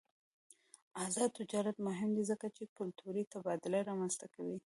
آزاد تجارت مهم دی ځکه چې کلتوري تبادله رامنځته کوي.